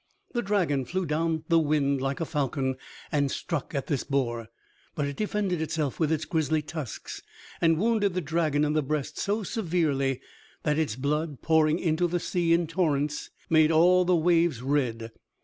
The dragon flew down the wind like a falcon and struck at this boar; but it defended itself with its grisly tusks, and wounded the dragon in the breast so severely that its blood, pouring into the sea in torrents, made all the waves red.